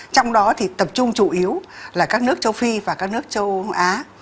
trong đó thì tập trung chủ yếu là các nước châu phi và các nước châu âu á